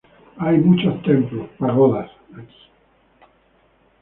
Hay muchos templos, pagodas aquí.